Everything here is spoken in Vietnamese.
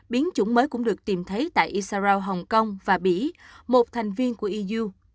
biến chủng mới cũng được tìm thấy tại israel hong kong và bỉ một thành viên của eu